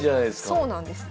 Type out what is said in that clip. そうなんです。